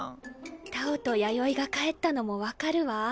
太鳳と弥生が帰ったのも分かるわ。